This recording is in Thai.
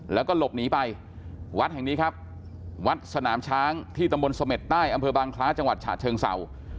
แล้วก็หลบหนีไปวัดแห่งนี้ครับวัดสนามช้างที่ตำบลเสม็ดใต้อำเภอบางคล้าจังหวัดฉะเชิงเศร้า